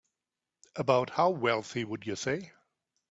About how wealthy would you say?